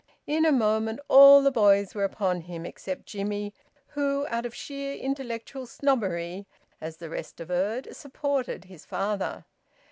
In a moment all the boys were upon him, except Jimmie, who, out of sheer intellectual snobbery, as the rest averred, supported his father.